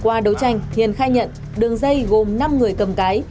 qua đấu tranh thiền khai nhận đường dây gồm năm người cầm cái